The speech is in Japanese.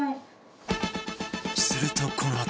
するとこのあと